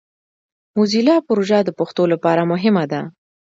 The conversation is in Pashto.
موزیلا پروژه د پښتو لپاره مهمه ده.